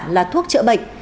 là thuốc trợ bệnh